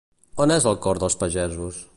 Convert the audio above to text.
On és el cor dels pagesos?